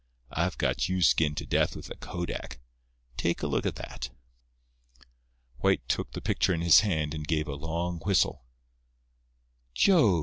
I've got you skinned to death with a kodak. Take a look at that." White took the picture in his hand, and gave a long whistle. "Jove!"